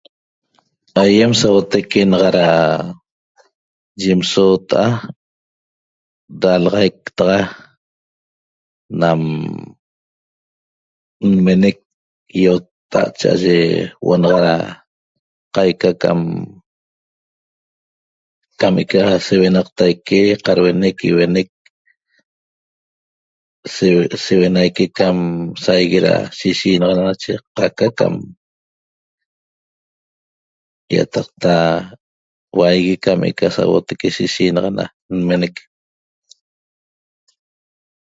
Aiem sauotaique naxa ra yem soota'a ralaxaic taxa nam nmenec iotta'at cha'aye huo'o naxa ra qaica cam cam eca seuenaqtaique qarhuenec ihuenec seuenaique cam saigue ra sishenaxana nache qaca cam iataqta huaigui cam eca sauotaique ra sishenaxana nmenec